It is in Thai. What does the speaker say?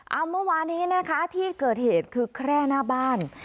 เอาเมื่อวานี้นะคะที่เกิดเหตุคือแคร่หน้าบ้าน